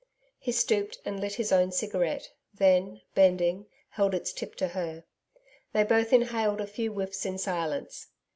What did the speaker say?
He stooped and lit his own cigarette, then, bending, held its tip to her. They both inhaled a few whiffs in silence.